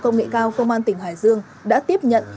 công nghệ cao công an tỉnh hải dương đã tiếp nhận